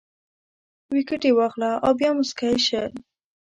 ویکټې واخله او بیا موسکی شه